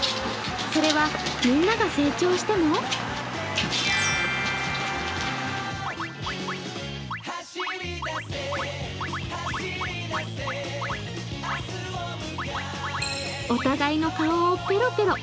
それは、みんなが成長してもお互いの顔をペロペロ。